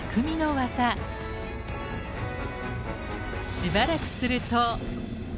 しばらくすると。